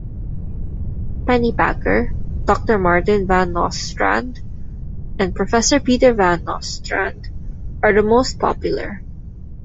Pennypacker, Doctor Martin van Nostrand, and Professor Peter van Nostrand are the most popular.